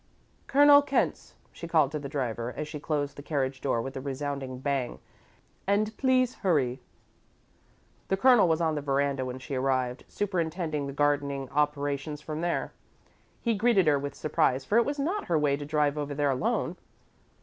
"Colonel Kent's," she called to the driver, as she closed the carriage door with a resounding bang, "and please hurry." The Colonel was on the veranda when she arrived, superintending the gardening operations from there. He greeted her with surprise, for it was not her way to drive over there alone.